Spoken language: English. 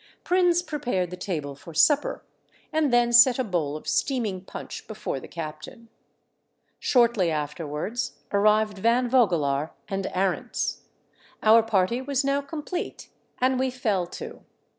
2 I 482 THE DEATH SHIP. Prins prepared the table for supper, and then set a bowl of steaming punch before the captain. Shortly afterwards arrived Van Vogelaar and Arents. Our party was now complete, and we fell to.